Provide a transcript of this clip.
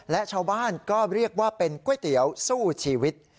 และชาวบ้านก็เรียกว่าเป็นก๋วยเตี๋ยวสู้ชีวิต